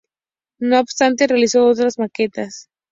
No obstante realizó otras maquetas.